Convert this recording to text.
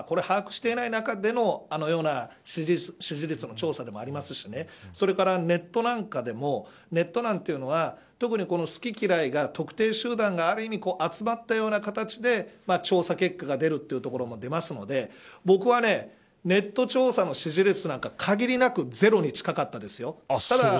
把握していない中でのあのような支持率の調査でもありますしそれから、ネットなんかでもネットなんていうのは特に好き嫌いが特定集団がある意味集まったような形で調査結果が出るというところもあるので僕は、ネット調査の支持率なんか限りなくゼロに近かったですよ。